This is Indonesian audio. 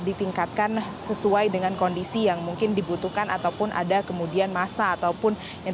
ditingkatkan sesuai dengan kondisi yang mungkin dibutuhkan ataupun ada kemudian masa ataupun yang